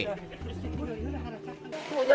ketika dianggap terlalu banyak